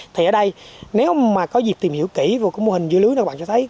thì ở đây nếu mà có dịp tìm hiểu kỹ vô cái mô hình dưa lưới này các bạn sẽ thấy